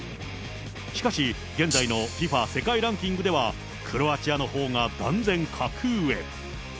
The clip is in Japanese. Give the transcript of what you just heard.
しかし、現在のＦＩＦＡ世界ランキングでは、クロアチアのほうが断然格上。